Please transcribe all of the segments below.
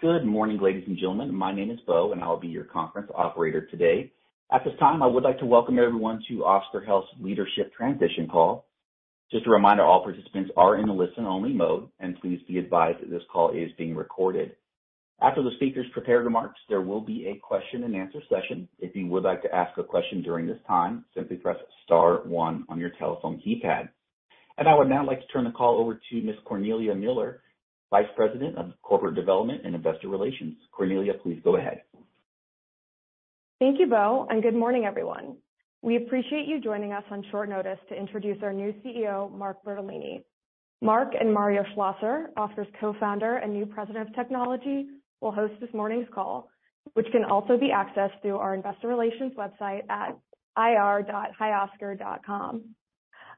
Good morning, ladies and gentlemen. My name is Beau, and I'll be your conference operator today. At this time, I would like to welcome everyone to Oscar Health's leadership transition call. Just a reminder, all participants are in a listen-only mode, and please be advised that this call is being recorded. After the speakers' prepared remarks, there will be a question-and-answer session. If you would like to ask a question during this time, simply press star one on your telephone keypad. I would now like to turn the call over to Miss Cornelia Popic, Vice President of Corporate Development and Investor Relations. Cornelia, please go ahead. Thank you, Beau. Good morning, everyone. We appreciate you joining us on short notice to introduce our new CEO, Mark Bertolini. Mark and Mario Schlosser, Oscar's co-founder and new President of Technology, will host this morning's call, which can also be accessed through our investor relations website at ir.hioscar.com.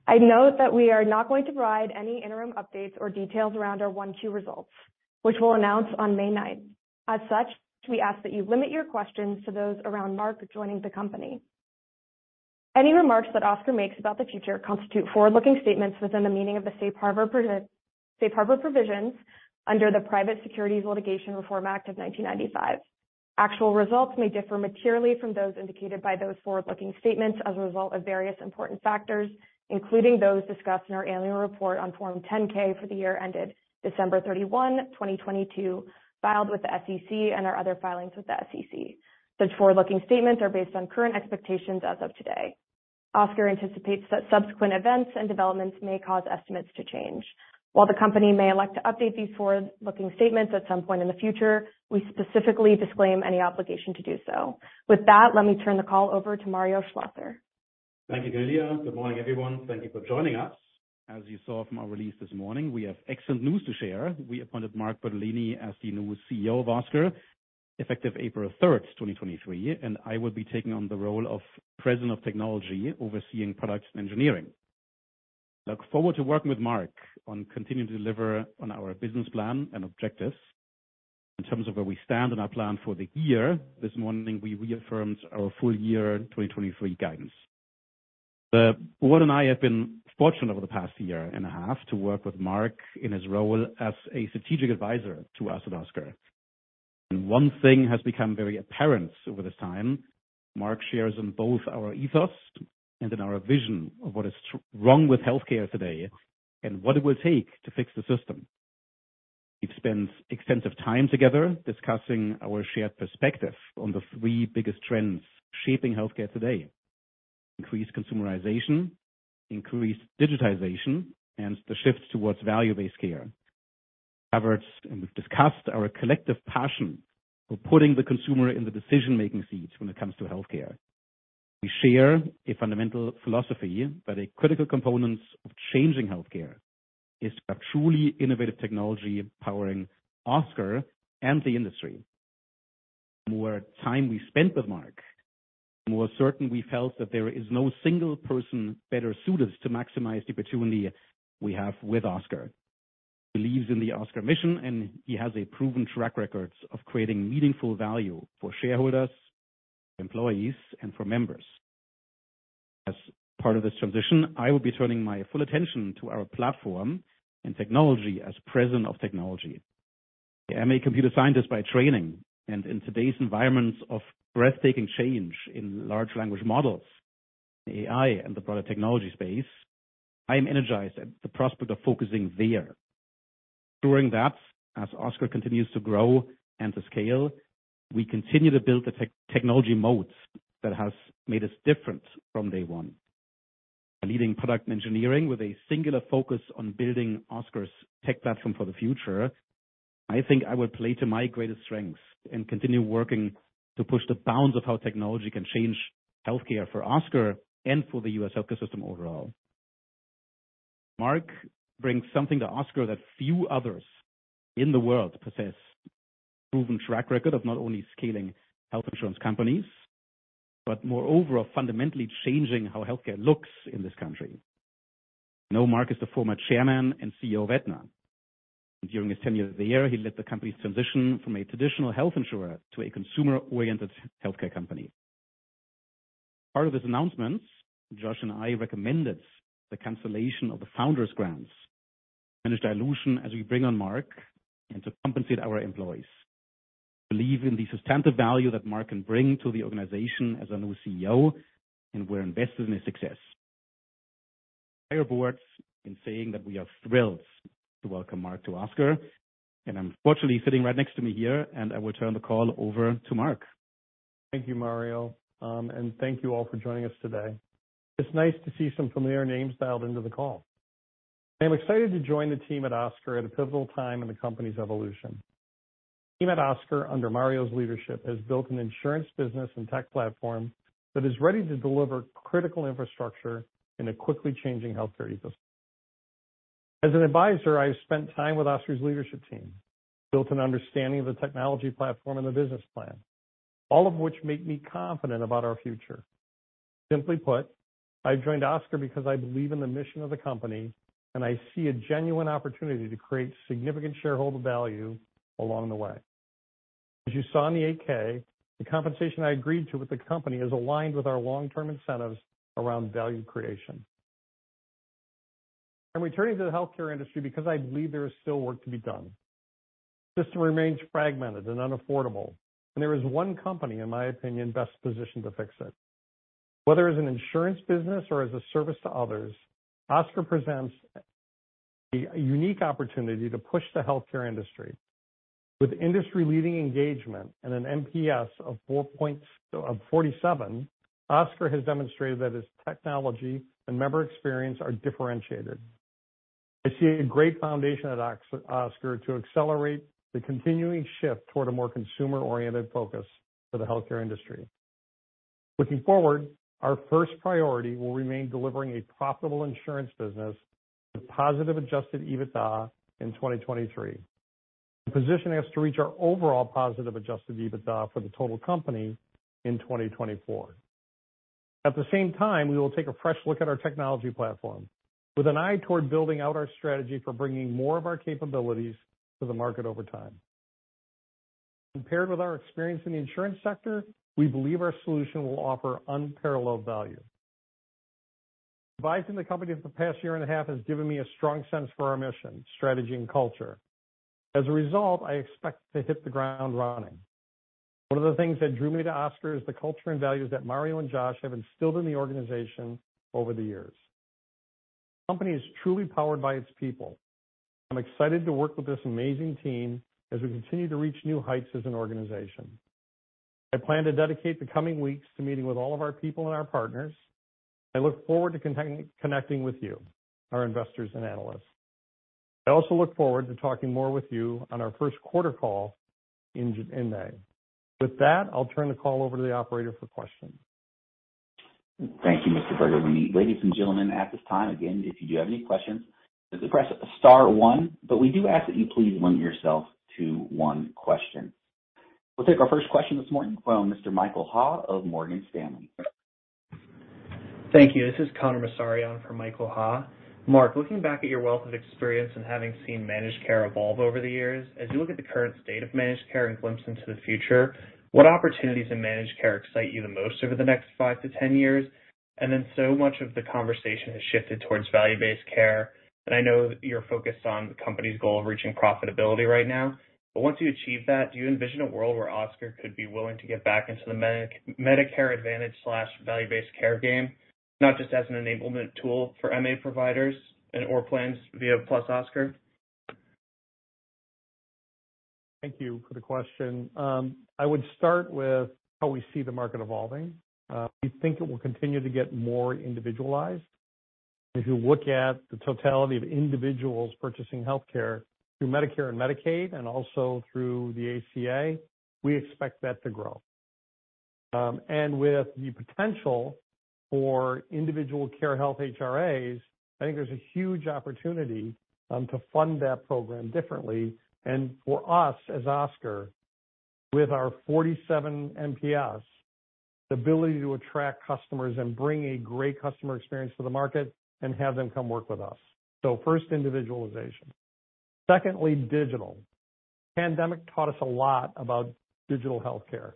I note that we are not going to provide any interim updates or details around our 1-2 results, which we'll announce on May 9th. As such, we ask that you limit your questions to those around Mark joining the company. Any remarks that Oscar makes about the future constitute forward-looking statements within the meaning of the safe harbor provisions under the Private Securities Litigation Reform Act of 1995. Actual results may differ materially from those indicated by those forward-looking statements as a result of various important factors, including those discussed in our annual report on Form 10-K for the year ended December 31, 2022, filed with the SEC and our other filings with the SEC. Such forward-looking statements are based on current expectations as of today. Oscar anticipates that subsequent events and developments may cause estimates to change. While the company may elect to update these forward-looking statements at some point in the future, we specifically disclaim any obligation to do so. With that, let me turn the call over to Mario Schlosser. Thank you, Cornelia Popic. Good morning, everyone. Thank you for joining us. As you saw from our release this morning, we have excellent news to share. We appointed Mark Bertolini as the new CEO of Oscar, effective April 3, 2023, and I will be taking on the role of President of Technology, overseeing products and engineering. Look forward to working with Mark on continuing to deliver on our business plan and objectives. In terms of where we stand on our plan for the year, this morning we reaffirmed our full year 2023 guidance. The board and I have been fortunate over the past year and a half to work with Mark in his role as a strategic advisor to us at Oscar. One thing has become very apparent over this time, Mark shares in both our ethos and in our vision of what is wrong with healthcare today and what it will take to fix the system. We've spent extensive time together discussing our shared perspective on the three biggest trends shaping healthcare today: increased consumerization, increased digitization, and the shift towards value-based care. We've covered and we've discussed our collective passion for putting the consumer in the decision-making seats when it comes to healthcare. We share a fundamental philosophy that a critical component of changing healthcare is a truly innovative technology powering Oscar and the industry. The more time we spent with Mark, the more certain we felt that there is no single person better suited to maximize the opportunity we have with Oscar. He believes in the Oscar mission, and he has a proven track record of creating meaningful value for shareholders, employees, and for members. As part of this transition, I will be turning my full attention to our platform and technology as President of Technology. I am a computer scientist by training, and in today's environment of breathtaking change in large language models, AI, and the broader technology space, I am energized at the prospect of focusing there. During that, as Oscar continues to grow and to scale, we continue to build the technology moats that has made us different from day one. Leading product engineering with a singular focus on building Oscar's tech platform for the future, I think I will play to my greatest strengths and continue working to push the bounds of how technology can change healthcare for Oscar and for the US healthcare system overall. Mark brings something to Oscar that few others in the world possess: proven track record of not only scaling health insurance companies, but moreover, fundamentally changing how healthcare looks in this country. You know Mark as the former chairman and CEO of Aetna. During his tenure there, he led the company's transition from a traditional health insurer to a consumer-oriented healthcare company. Part of this announcement, Josh and I recommended the cancellation of the founders' grants to manage dilution as we bring on Mark and to compensate our employees. Believe in the substantive value that Mark can bring to the organization as our new CEO, and we're invested in his success. I join the board in saying that we are thrilled to welcome Mark to Oscar, and unfortunately sitting right next to me here, and I will turn the call over to Mark. Thank you, Mario. Thank you all for joining us today. It's nice to see some familiar names dialed into the call. I am excited to join the team at Oscar at a pivotal time in the company's evolution. The team at Oscar, under Mario's leadership, has built an insurance business and tech platform that is ready to deliver critical infrastructure in a quickly changing healthcare ecosystem. As an advisor, I've spent time with Oscar's leadership team, built an understanding of the technology platform and the business plan, all of which make me confident about our future. Simply put, I've joined Oscar because I believe in the mission of the company, and I see a genuine opportunity to create significant shareholder value along the way. As you saw in the 8-K, the compensation I agreed to with the company is aligned with our long-term incentives around value creation. I'm returning to the healthcare industry because I believe there is still work to be done. The system remains fragmented and unaffordable, and there is one company, in my opinion, best positioned to fix it. Whether as an insurance business or as a service to others, Oscar presents a unique opportunity to push the healthcare industry. With industry-leading engagement and an NPS of 47, Oscar has demonstrated that its technology and member experience are differentiated. I see a great foundation at Oscar to accelerate the continuing shift toward a more consumer-oriented focus for the healthcare industry. Looking forward, our first priority will remain delivering a profitable insurance business with positive Adjusted EBITDA in 2023, and positioning us to reach our overall positive Adjusted EBITDA for the total company in 2024. At the same time, we will take a fresh look at our technology platform with an eye toward building out our strategy for bringing more of our capabilities to the market over time. Compared with our experience in the insurance sector, we believe our solution will offer unparalleled value. Advising the company for the past year and a half has given me a strong sense for our mission, strategy, and culture. As a result, I expect to hit the ground running. One of the things that drew me to Oscar is the culture and values that Mario and Josh have instilled in the organization over the years. The company is truly powered by its people. I'm excited to work with this amazing team as we continue to reach new heights as an organization. I plan to dedicate the coming weeks to meeting with all of our people and our partners. I look forward to connecting with you, our investors and analysts. I also look forward to talking more with you on our first quarter call in May. With that, I'll turn the call over to the operator for questions. Thank you, Mr. Bertolini. Ladies and gentlemen, at this time, again, if you do you have any questions, just press star one. We do ask that you please limit yourself to 1 question. We'll take our first question this morning from Mr. Michael Ha of Morgan Stanley. Thank you. This is Connor Massaron on for Michael Ha. Mark, looking back at your wealth of experience and having seen managed care evolve over the years, as you look at the current state of managed care and glimpse into the future, what opportunities in managed care excite you the most over the next 5-10 years? So much of the conversation has shifted towards value-based care, and I know you're focused on the company's goal of reaching profitability right now. Once you achieve that, do you envision a world where Oscar could be willing to get back into the Medicare Advantage/value-based care game, not just as an enablement tool for MA providers and/or plans via +Oscar? Thank you for the question. I would start with how we see the market evolving. We think it will continue to get more individualized. If you look at the totality of individuals purchasing healthcare through Medicare and Medicaid and also through the ACA, we expect that to grow. I think there's a huge opportunity, to fund that program differently. For us, as Oscar, with our 47 NPS, the ability to attract customers and bring a great customer experience to the market and have them come work with us. First, individualization. Secondly, digital. The pandemic taught us a lot about digital healthcare.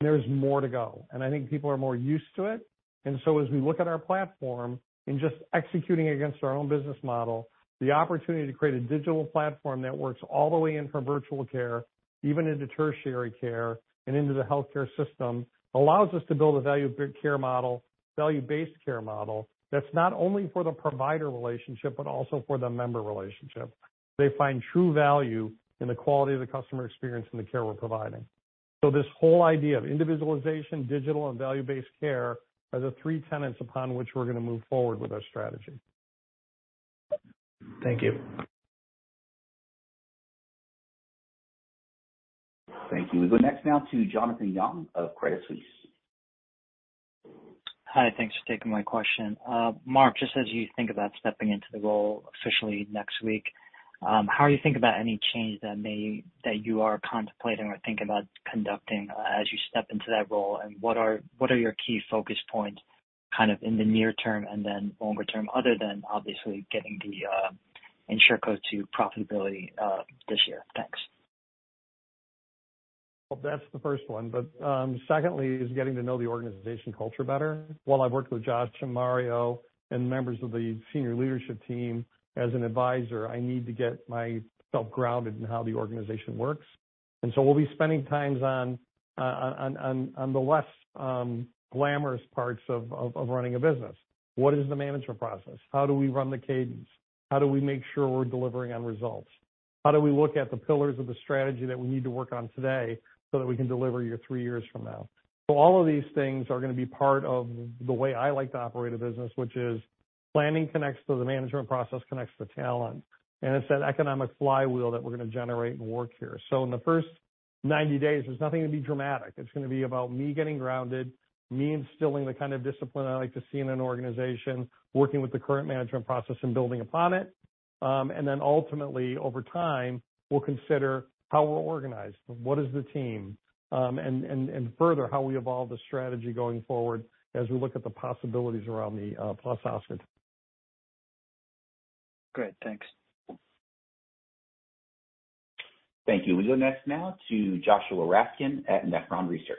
There is more to go, and I think people are more used to it. As we look at our platform and just executing against our own business model, the opportunity to create a digital platform that works all the way in from virtual care, even into tertiary care and into the healthcare system, allows us to build a value-based care model that's not only for the provider relationship, but also for the member relationship. They find true value in the quality of the customer experience and the care we're providing. This whole idea of individualization, digital, and value-based care are the three tenets upon which we're gonna move forward with our strategy. Thank you. Thank you. We go next now to Jonathan Yong of Credit Suisse. Hi. Thanks for taking my question. Mark, just as you think about stepping into the role officially next week, how do you think about any changes that you are contemplating or thinking about conducting, as you step into that role? What are your key focus points kind of in the near term and then longer term, other than obviously getting the insurer code to profitability this year? Thanks. That's the first one. Secondly is getting to know the organization culture better. While I've worked with Josh and Mario and members of the senior leadership team as an advisor, I need to get myself grounded in how the organization works. We'll be spending times on the less glamorous parts of running a business. What is the management process? How do we run the cadence? How do we make sure we're delivering on results? How do we look at the pillars of the strategy that we need to work on today so that we can deliver here three years from now? All of these things are gonna be part of the way I like to operate a business, which is planning connects to the management process, connects to talent, and it's that economic flywheel that we're gonna generate and work here. In the first 90 days, there's nothing gonna be dramatic. It's gonna be about me getting grounded, me instilling the kind of discipline I like to see in an organization, working with the current management process and building upon it. Ultimately, over time, we'll consider how we're organized, what is the team, and further, how we evolve the strategy going forward as we look at the possibilities around the +Oscar. Great. Thanks. Thank you. We go next now to Joshua Raskin at Nephron Research.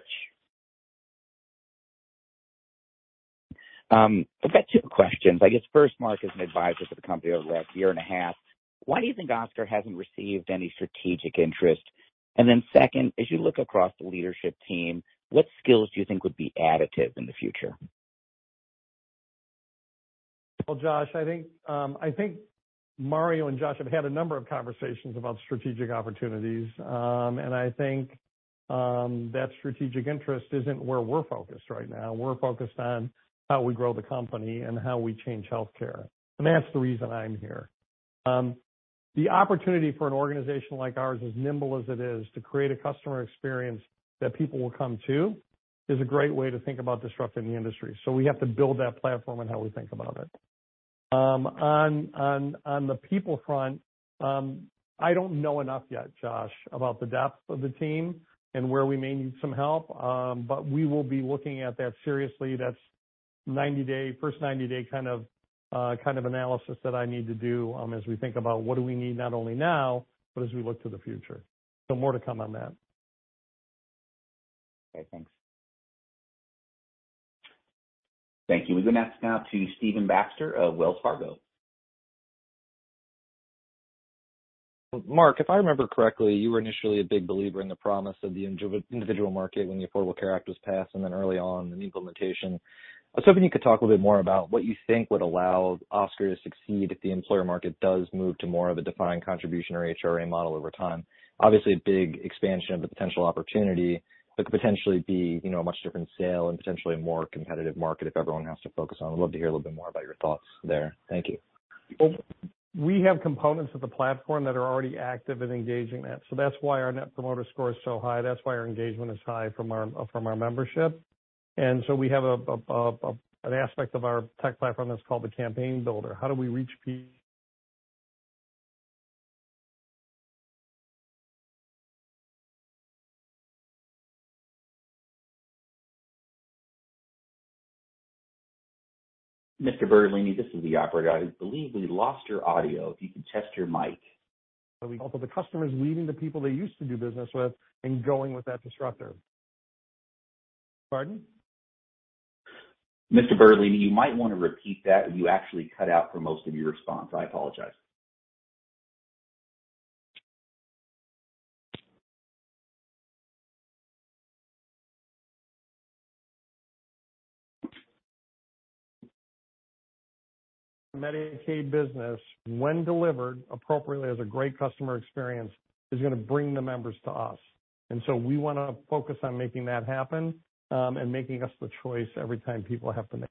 I've got two questions. I guess first, Mark, as an advisor to the company over the last year and a half, why do you think Oscar hasn't received any strategic interest? Second, as you look across the leadership team, what skills do you think would be additive in the future? Well, Josh, I think, I think Mario and Josh have had a number of conversations about strategic opportunities. I think, that strategic interest isn't where we're focused right now. We're focused on how we grow the company and how we change healthcare. That's the reason I'm here. The opportunity for an organization like ours, as nimble as it is, to create a customer experience that people will come to, is a great way to think about disrupting the industry. We have to build that platform and how we think about it. On, on the people front, I don't know enough yet, Josh, about the depth of the team and where we may need some help. We will be looking at that seriously. That's first 90-day kind of analysis that I need to do, as we think about what do we need, not only now, but as we look to the future. More to come on that. Okay, thanks. Thank you. We go next now to Stephen Baxter of Wells Fargo. Mark, if I remember correctly, you were initially a big believer in the promise of the individual market when the Affordable Care Act was passed, then early on in implementation. I was hoping you could talk a little bit more about what you think would allow Oscar to succeed if the employer market does move to more of a defined contribution or HRA model over time. Obviously, a big expansion of the potential opportunity, that could potentially be, you know, a much different sale and potentially a more competitive market if everyone has to focus on. Would love to hear a little bit more about your thoughts there. Thank you. We have components of the platform that are already active in engaging that. That's why our Net Promoter Score is so high. That's why our engagement is high from our membership. We have an aspect of our tech platform that's called the Campaign Builder. How do we reach Mr. Bertolini, this is the operator. I believe we lost your audio. If you can test your mic. We hope that the customer is leaving the people they used to do business with and going with that disruptor. Pardon? Mr. Bertolini, you might wanna repeat that. You actually cut out for most of your response. I apologize. Medicaid business, when delivered appropriately as a great customer experience, is gonna bring the members to us. We wanna focus on making that happen, and making us the choice every time people have to make.